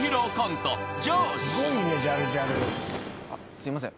すいません。